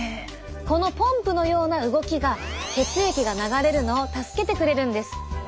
このポンプのような動きが血液が流れるのを助けてくれるんです。